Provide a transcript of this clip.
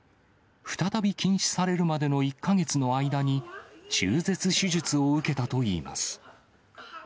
再び禁止されるまでの１か月の間に、中絶手術を受けたといいます。